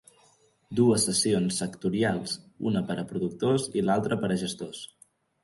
Dues sessions sectorials, una per a productors i l'altra per a gestors.